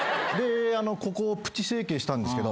ここをプチ整形したんですけど。